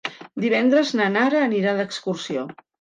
Divendres na Nara anirà d'excursió.